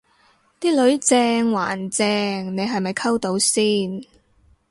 啲女正還正你係咪溝到先